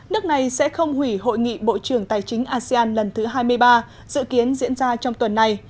nước này sẽ không hủy hội nghị bộ trưởng tài chính asean lần thứ hai mươi ba dự kiến diễn ra trong tuần này